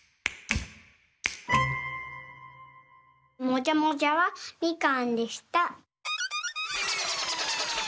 もじゃもじゃはみかんでした。